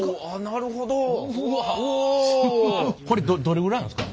これどれぐらいなんですか？